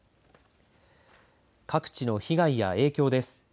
各地の被害や影響です。